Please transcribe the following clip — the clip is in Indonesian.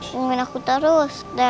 nginguin aku terus